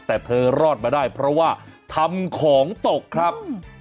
แต่เธอรอดมาได้เพราะว่าทำของตกครับ